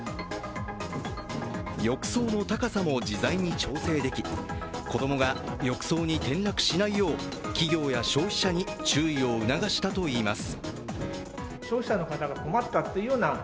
浴槽の高さも自在に調整でき子どもが浴槽に転落しないよう企業や消費者に注意を促したといいます。